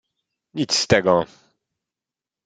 "Nic z tego!"